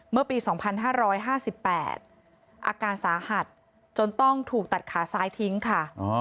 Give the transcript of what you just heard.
เมื่อปี๒๕๕๘อาการสาหัสจนต้องถูกตัดขาซ้ายทิ้งค่ะ